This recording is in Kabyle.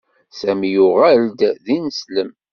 Sami yuɣal-d d ineslem.